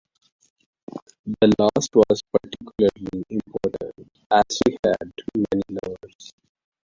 The last was particularly important, as she had many lovers.